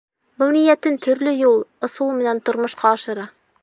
Был ниәтен төрлө юл, ысул менән тормошҡа ашыра.